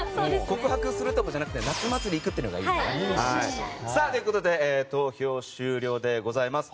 告白するとかじゃなくて夏祭りに行くっていうのがいいね。ということで投票終了でございます。